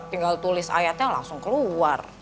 tinggal tulis ayatnya langsung keluar